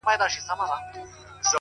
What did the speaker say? د ښار ټولو اوسېدونكو ته عيان وو٫